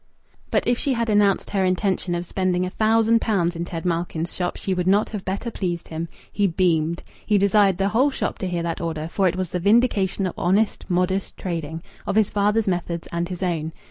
But if she had announced her intention of spending a thousand pounds in Ted Malkin's shop she would not have better pleased him. He beamed. He desired the whole shop to hear that order, for it was the vindication of honest, modest trading of his father's methods and his own.